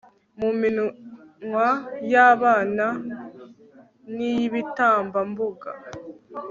mu minwa y'abana n'iy'ibitambambuga